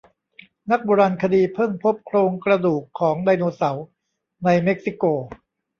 นักโบราณคดีเพิ่งพบโครงกระดูกของไดโนเสาร์ในเม็กซิโก